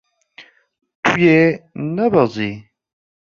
Tu yê nebezî.